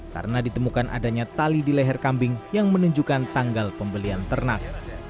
karena ditemukan adanya tali di leher kambing yang menunjukkan tanggal pembelian ternak